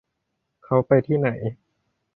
เค้าไปที่ไหน